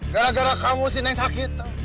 gara gara kamu sakit